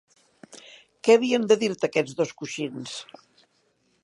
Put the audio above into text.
Què havien de dir-te aquests dos coixins?